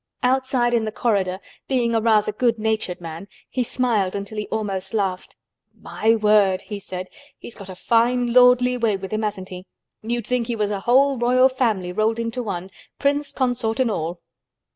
Outside in the corridor, being a rather good natured man, he smiled until he almost laughed. "My word!" he said, "he's got a fine lordly way with him, hasn't he? You'd think he was a whole Royal Family rolled into one—Prince Consort and all."